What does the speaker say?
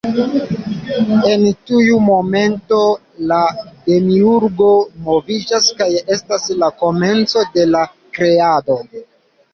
En tiu momento la Demiurgo moviĝas kaj estas la komenco de la Kreado.